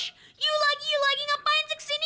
iu lagi iu lagi ngapain sih kesini